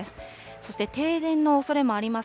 そして、停電のおそれもあります